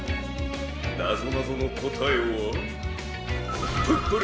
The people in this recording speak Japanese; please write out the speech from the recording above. なぞなぞのこたえはプップル